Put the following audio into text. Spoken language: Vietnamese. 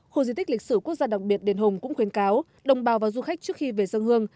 khu di tích lịch sử quốc gia đặc biệt đền hùng cũng khuyến cáo đồng bào và du khách trước khi về dân hương